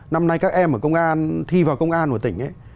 năm nay các em thi vào công an của tỉnh